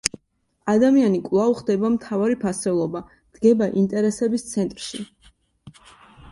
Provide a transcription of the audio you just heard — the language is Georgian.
ადამიანი კვლავ ხდება მთავარი ფასეულობა, დგება ინტერესების ცენტრში.